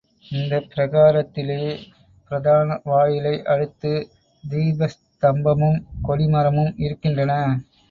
இந்தப் பிராகாரத்திலே பிரதான வாயிலை அடுத்து தீபஸ்தம்பமும் கொடி மரமும் இருக்கின்றன.